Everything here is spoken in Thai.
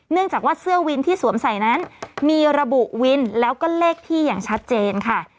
เนื่องจากว่าเสื้อวินที่สวมใส่นั้นมีระบุวินแล้วก็เลขที่อย่างชัดเจนค่ะ